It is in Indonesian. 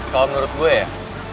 kalau menurut gue ya